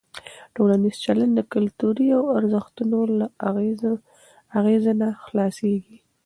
ټولنیز چلند د کلتوري ارزښتونو له اغېزه نه خلاصېږي.